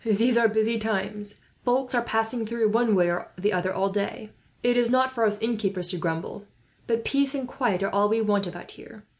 "These are busy times. Folks are passing through, one way or the other, all day. It is not for us innkeepers to grumble, but peace and quiet are all we want, about here.